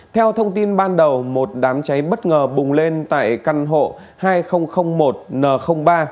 theo thông tin ban đầu một đám cháy bất ngờ bùng lên tại căn hộ hai nghìn một n ba